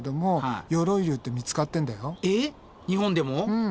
うん。